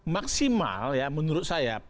maksimal ya menurut saya